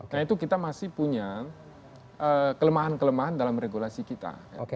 karena itu kita masih punya kelemahan kelemahan dalam regulasi kita